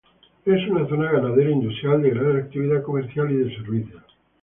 Es una zona ganadera, industrial, de gran actividad comercial y de servicios.